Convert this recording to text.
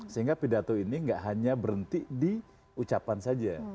sehingga pidato ini tidak hanya berhenti di ucapan saja